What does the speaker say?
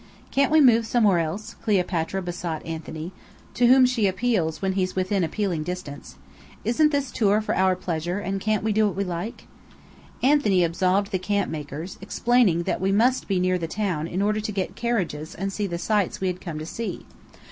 "Can't we move somewhere else?" Cleopatra besought Anthony, to whom she appeals when he's within appealing distance. "Isn't this tour for our pleasure, and can't we do what we like?" Anthony absolved the camp makers, explaining that we must be near the town in order to get carriages and see the sights we had come to see.